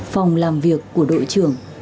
phòng làm việc của đội trưởng